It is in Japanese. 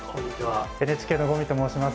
ＮＨＫの五味と申します。